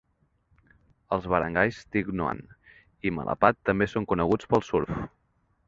Els barangays Tignoan i Malapad també són coneguts pel surf.